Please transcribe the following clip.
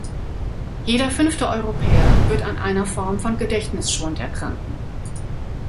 Jeder fünfte Europäer wird an einer Form von Gedächtnisschw- und erkranken.